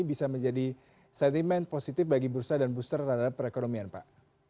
bisa menjadi sentimen positif bagi bursa dan booster terhadap perekonomian pak